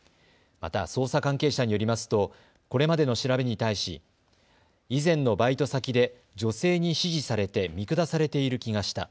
また捜査関係者によりますとこれまでの調べに対し、以前のバイト先で女性に指示されて見下されている気がした。